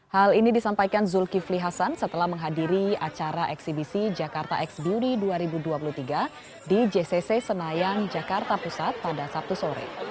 hal ini disampaikan zulkifli hasan setelah menghadiri acara eksibisi jakarta x beauty dua ribu dua puluh tiga di jcc senayan jakarta pusat pada sabtu sore